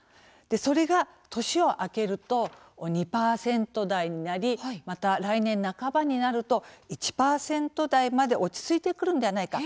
それが、年を明けると２％台になりまた来年半ばになると１％台まで落ち着いてくるのではないか。